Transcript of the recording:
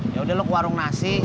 ya udah lo ke warung nasi